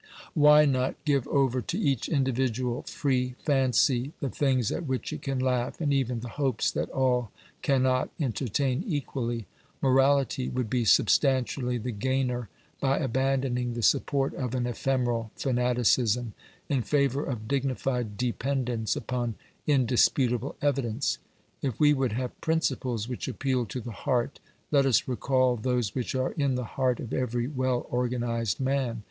Why not give over to each individual free fancy the things at which it can laugh, and even the hopes that all cannot entertain equally ? Morality would be substantially the gainer by abandoning the support of an ephemeral fanaticism in favour of dignified dependence upon indis putable evidence. If we would have principles which appeal to the heart, let us recall those which are in the heart of every well organised man.